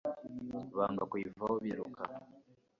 banga kuyivaho biruka